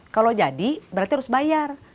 kalau jadi berarti harus bayar